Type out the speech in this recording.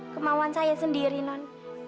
kemauan saya sendiri non